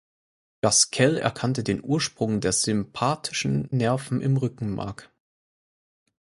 Gaskell erkannte den Ursprung der sympathischen Nerven im Rückenmark.